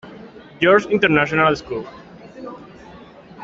George International School.